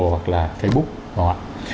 hoặc là facebook